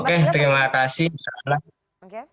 oke terima kasih mbak ala